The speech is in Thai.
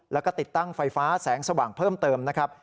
แล้วก็ติดตั้งไฟฟ้าแสงสว่างเพิ่มเติมนะครับ